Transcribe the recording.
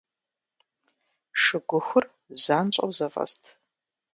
Шыгухур занщӀэу зэфӀэст.